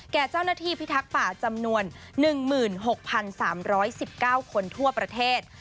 แก่เจ้าหน้าที่พิทักษ์ป่าจำนวน๑๖๓๑๙คนทั่วประเทศ